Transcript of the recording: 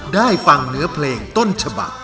ได้ฟังเนื้อเพลงต้นฉบัก